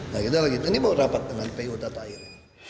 nah kita lagi ini berrapat dengan pu tata air